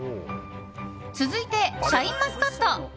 続いて、シャインマスカット。